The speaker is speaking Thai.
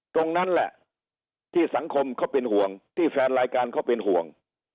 ตรงนั้นแหละที่สังคมเขาเป็นห่วงที่แฟนรายการเขาเป็นห่วง